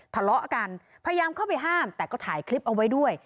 ทะเลาะกันพยายามเข้าไปห้ามแต่ก็ถ่ายคลิปเอาไว้ด้วย